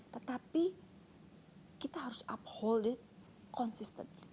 tetapi kita harus mengambil kesepakatan